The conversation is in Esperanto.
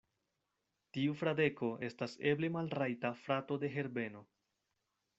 Tiu Fradeko estas eble malrajta frato de Herbeno.